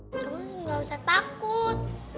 kamu enggak usah takut